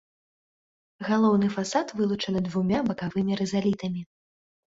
Галоўны фасад вылучаны двумя бакавымі рызалітамі.